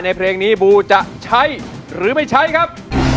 เพลงนี้บูจะใช้หรือไม่ใช้ครับ